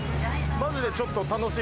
マジでちょっと楽しい。